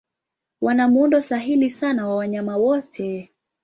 Wana muundo sahili sana wa wanyama wote.